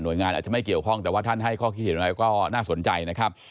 โดยงานอาจจะไม่เกี่ยวข้องแต่ว่าท่านให้ข้อคิดเห็นอะไรก็น่าสนใจนะครับ